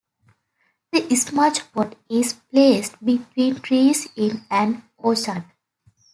The smudge pot is placed between trees in an orchard.